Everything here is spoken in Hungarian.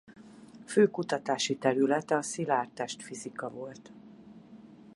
Fő kutatási területe a szilárdtestfizika volt.